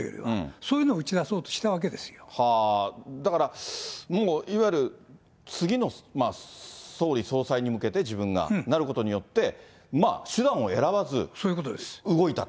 そういうのを打ち出そうとしたわだからもう、いわゆる次の総理総裁に向けて、自分が、なることによって、手段を選ばず動いたと。